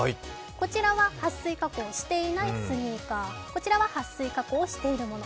こちらははっ水加工していないスニーカー、こちらはしているもの